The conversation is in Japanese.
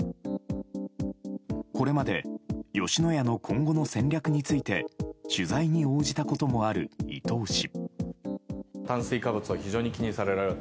これまで吉野家の今後の戦略について取材に応じたこともある伊東氏。